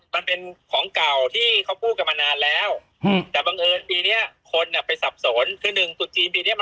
ห้ามเสียคนขาวอ้าวแล้วเขาแล้วเขาพูดกันมาเพื่ออะไรอ่ะ